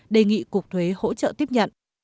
đề nghị cục thuế hỗ trợ tiếp nhận